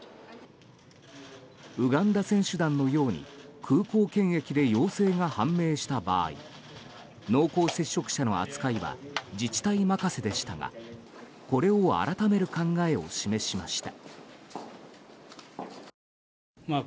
ウガンダ選手団のように空港検疫で陽性が判明した場合濃厚接触者の扱いは自治体任せでしたがこれを改める考えを示しました。